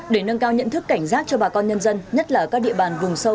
để nâng cao nhận thức cảnh giác cho bà con nhân dân nhất là ở các địa bàn vùng sâu